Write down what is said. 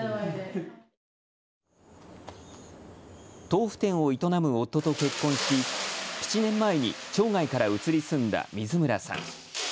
豆腐店を営む夫と結婚し７年前に町外から移り住んだ水村さん。